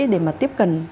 để mà tiếp cận